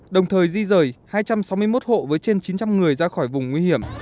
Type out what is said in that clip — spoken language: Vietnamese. đồng thời di rời hai trăm sáu mươi một hộ với trên chín trăm linh người ra khỏi vùng nguy hiểm